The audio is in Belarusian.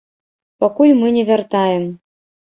Пакуль мы не вяртаем.